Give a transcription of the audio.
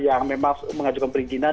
yang memang mengajukan perizinan